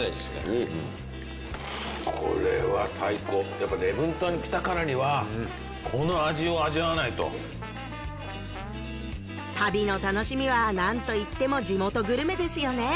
うんこれは最高やっぱ礼文島に来たからにはこの味を味わわないと旅の楽しみはなんといっても地元グルメですよね